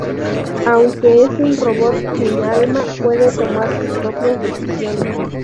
Aunque es un robot sin alma, puede tomar sus propias decisiones.